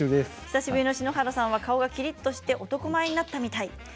久しぶりの篠原さんは顔がきりっとして男前になったみたい。